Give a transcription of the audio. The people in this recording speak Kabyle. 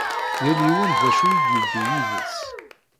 Yal yiwen d acu i d-yuwi yid-s.